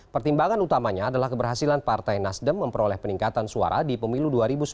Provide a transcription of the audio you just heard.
pertimbangan utamanya adalah keberhasilan partai nasdem memperoleh peningkatan suara di pemilu dua ribu sembilan belas